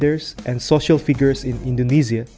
pemimpin bisnis dan figur sosial di indonesia